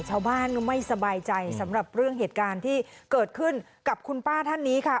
ชาวบ้านก็ไม่สบายใจสำหรับเรื่องเหตุการณ์ที่เกิดขึ้นกับคุณป้าท่านนี้ค่ะ